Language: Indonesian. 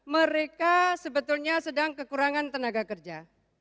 mereka sebetulnya sedang kekurangan tenaga kerja